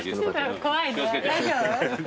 怖いね大丈夫？